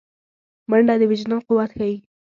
منډه د وجدان قوت ښيي